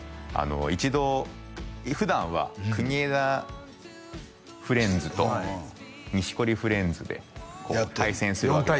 一度普段は国枝フレンズと錦織フレンズで対戦するわけですよ